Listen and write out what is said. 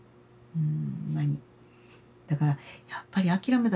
うん。